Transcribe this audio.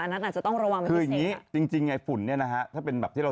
อันนั้นอาจจะต้องระวังไว้พิเศษค่ะ